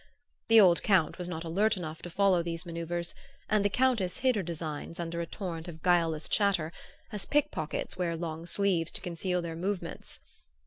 The old Count was not alert enough to follow these manoeuvres; and the Countess hid her designs under a torrent of guileless chatter, as pick pockets wear long sleeves to conceal their movements.